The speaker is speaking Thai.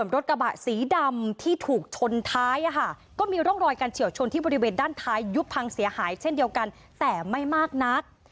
รถกระบะสีดำที่ถูกชนท้ายก็มีร่องรอยการเฉียวชนที่บริเวณด้านท้ายยุบพังเสียหายเช่นเดียวกันแต่ไม่มากนัก